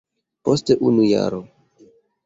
Post unu jaro.